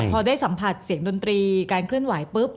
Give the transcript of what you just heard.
พอได้สัมผัสเสียงดนตรีการเคลื่อนไหวปุ๊บ